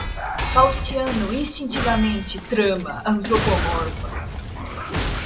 Faustiano, instintivamente, trama, antropomorfa